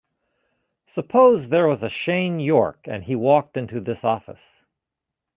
Suppose there was a Shane York and he walked into this office.